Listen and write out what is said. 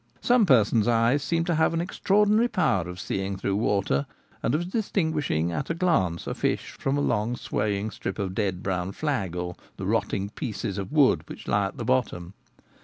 Some persons' eyes seem to have an extraordinary power of seeing through water, and of distinguishing at a glance a fish from a long swaying strip of dead brown flag, or the rotting pieces of wood which lie at the bottom.